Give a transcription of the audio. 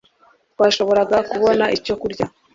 twashoboraga kubona icyo kurya